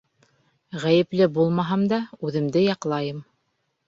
Ғәйепле булмаһам да, үҙемде яҡлайым.